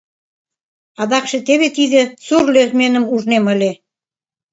— Адакше теве тиде сур лӧзмӧным ужнем ыле.